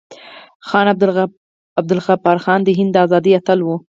خان عبدالغفار خان د هند د ازادۍ اتل و.